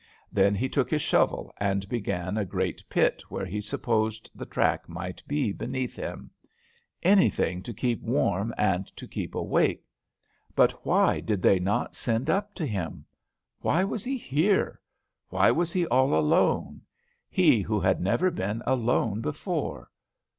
Then he took his shovel and began a great pit where he supposed the track might be beneath him. "Anything to keep warm and to keep awake. But why did they not send up to him? Why was he here? Why was he all alone? He who had never been alone before.